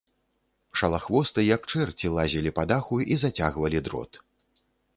Шалахвосты, як чэрці, лазілі па даху і зацягвалі дрот.